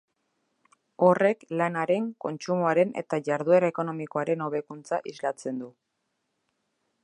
Horrek lanaren, kontsumoaren eta jarduera ekonomikoaren hobekuntza islatzen du.